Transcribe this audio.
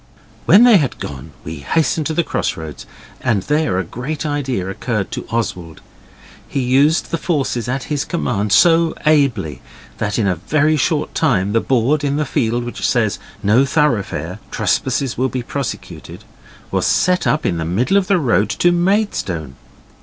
When they had gone we hastened to the crossroads, and there a great idea occurred to Oswald. He used the forces at his command so ably that in a very short time the board in the field which says 'No thoroughfare. Trespassers will be prosecuted' was set up in the middle of the road to Maidstone.